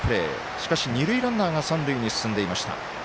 しかし、二塁ランナーが三塁に進んでいました。